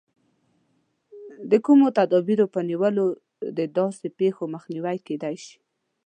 د کومو تدابیرو په نیولو د داسې پېښو مخنیوی کېدای شي.